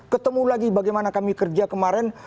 ketemu lagi bagaimana kami kerja kemarin